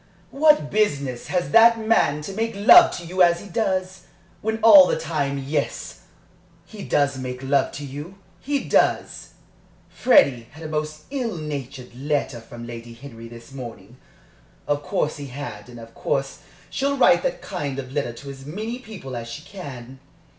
What business has that man to make love to you as he does, when all the time Yes, he does make love to you he does! Freddie had a most ill natured letter from Lady Henry this morning. Of course he had and of course she'll write that kind of letter to as many people as she can.